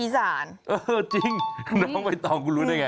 อีสานเออจริงน้องเบตองกูรู้ได้ไง